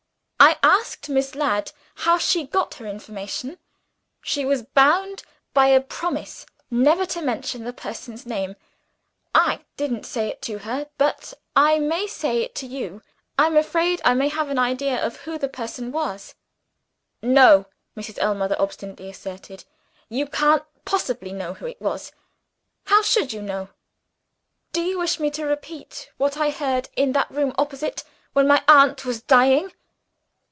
I asked Miss Ladd how she got her information. She was bound by a promise never to mention the person's name. I didn't say it to her but I may say it to you. I am afraid I have an idea of who the person was." "No," Mrs. Ellmother obstinately asserted, "you can't possibly know who it was! How should you know?" "Do you wish me to repeat what I heard in that room opposite, when my aunt was dying?"